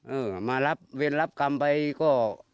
เออมาเวลารับกรรมไปก็